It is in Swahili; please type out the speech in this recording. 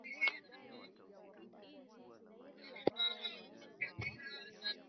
Mungu mwaminifu habadiliki kamwe.